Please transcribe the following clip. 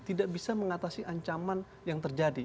tidak bisa mengatasi ancaman yang terjadi